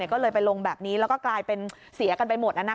ก็เลยไปลงแบบนี้แล้วก็กลายเป็นเสียกันไปหมด